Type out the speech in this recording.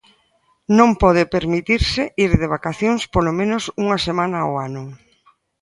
Non pode permitirse ir de vacacións polo menos unha semana ao ano.